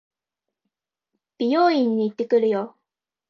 美容院に行ってくるよ。